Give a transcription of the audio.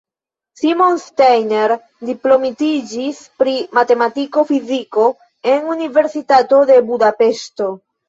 Simon Steiner diplomitiĝis pri matematiko-fiziko en Universitato de Budapeŝto.